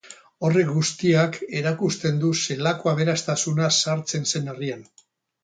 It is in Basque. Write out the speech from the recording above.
Horrek guztiak erakusten du zelako aberastasuna sartzen zen herrian.